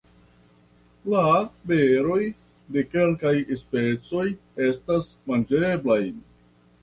La beroj de kelkaj specioj esta manĝeblaj.